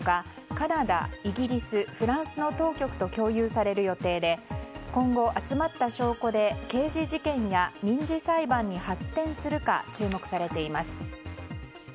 カナダ、イギリス、フランスの当局と共有される予定で今後、集まった証拠で刑事事件や民事裁判に発展するか、注目されています。